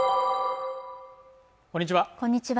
こんにちは